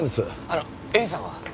あの絵里さんは？